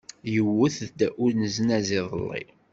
Iwet-d uneznaz iḍelli.